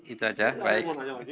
itu aja baik